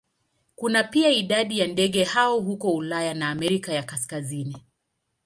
Kuna pia idadi ya ndege hao huko Ulaya na Amerika ya Kaskazini.